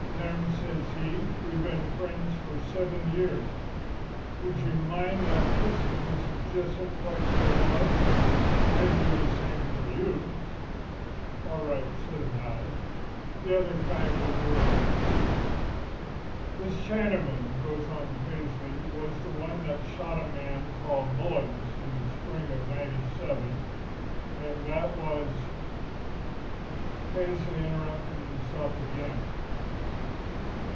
"'Lem,' says he, 'we been friends for seven years. Would you mind not kissing Mrs. Jessup quite so loud? I'd do the same for you.' "'All right,' says I. 'The other kind will do as well.' "'This Chinaman,' goes on Paisley, 'was the one that shot a man named Mullins in the spring of '97, and that was—' "Paisley interrupted himself again.